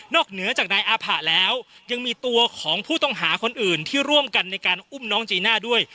เหนือจากนายอาผะแล้วยังมีตัวของผู้ต้องหาคนอื่นที่ร่วมกันในการอุ้มน้องจีน่าด้วย